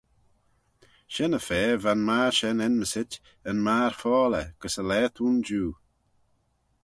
Shen-y-fa va'n magher shen enmyssit, Yn magher-foalley, gys y laa t'ayn jiu.